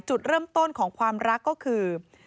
จุดเริ่มต้นของความรักก็คือ